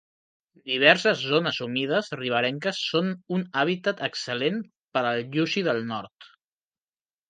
Diverses zones humides riberenques són un hàbitat excel·lent per al lluci del nord.